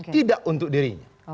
tidak untuk dirinya